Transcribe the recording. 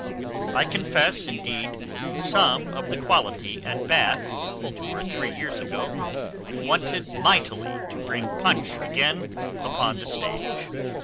I confess, indeed, some of the quality at Bath, two or three years ago, wanted mightily to bring Punch again upon the stage.